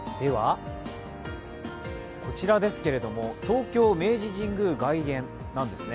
こちらですが、東京・明治神宮外苑なんですね。